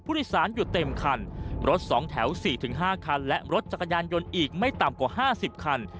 ผู้ริสารอยู่เต็มคันรถสองแถวสี่ถึงห้าคันและรถจักรยานยนต์อีกไม่ต่ำกว่าห้าสิบคัน